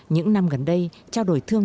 những năm gần đây trao đổi thương